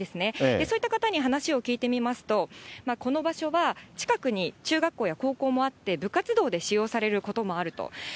そういった方に話を聞いてみますと、この場所は、近くに中学校や高校もあって、部活動で使用されることもあると。